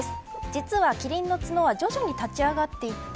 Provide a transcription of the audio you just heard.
実はキリンの角は徐々に立ち上がっていって